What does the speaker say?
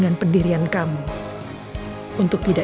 ya silahkan pak soeret